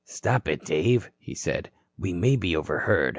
"Stop it, Dave," he said. "We may be overheard.